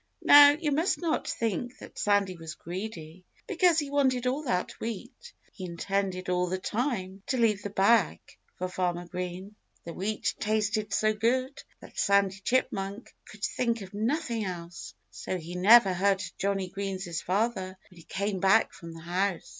Now, you must not think that Sandy was greedy, because he wanted all that wheat. He intended all the time to leave the bag for Farmer Green. The wheat tasted so good that Sandy Chipmunk could think of nothing else. So he never heard Johnnie Green's father when he came back from the house.